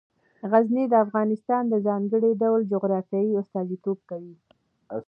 غزني د افغانستان د ځانګړي ډول جغرافیه استازیتوب کوي.